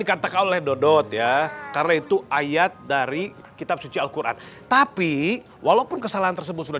dikatakan oleh dodot ya karena itu ayat dari kitab suci al quran tapi walaupun kesalahan tersebut sudah